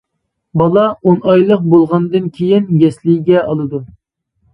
بالا ئون ئايلىق بولغاندىن كېيىن يەسلىگە ئالىدۇ.